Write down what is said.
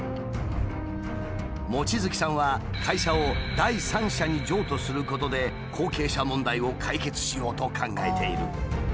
望月さんは会社を第三者に譲渡することで後継者問題を解決しようと考えている。